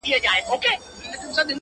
د تور منځ کي د دانو په غونډولو -